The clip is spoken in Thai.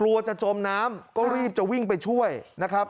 กลัวจะจมน้ำก็รีบจะวิ่งไปช่วยนะครับ